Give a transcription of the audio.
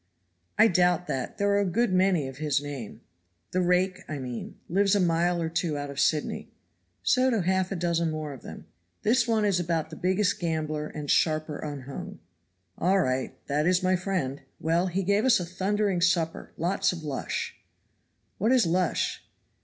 "I doubt that; there are a good many of his name." "The rake, I mean; lives a mile or two out of Sydney. "So do half a dozen more of them." "This one is about the biggest gambler and sharper unhung." "All right! that is my friend! Well, he gave us a thundering supper lots of lush." "What is lush?"